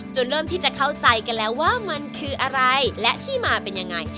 เริ่มที่จะเข้าใจกันแล้วว่ามันคืออะไรและที่มาเป็นยังไง